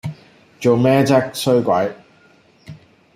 做咩啫衰鬼